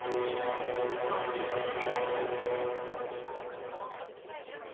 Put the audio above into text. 危機の深層に迫ります。